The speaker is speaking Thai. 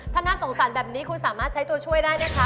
ถ้าน่าสงสารแบบนี้คุณสามารถใช้ตัวช่วยได้ไหมคะ